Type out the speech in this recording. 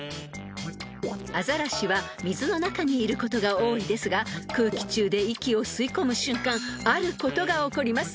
［アザラシは水の中にいることが多いですが空気中で息を吸い込む瞬間あることが起こります］